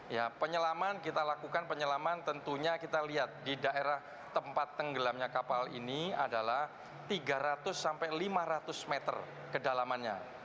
ya penyelaman kita lakukan penyelaman tentunya kita lihat di daerah tempat tenggelamnya kapal ini adalah tiga ratus sampai lima ratus meter kedalamannya